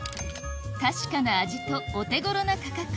確かな味とお手ごろな価格